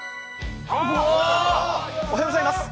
おはようございます。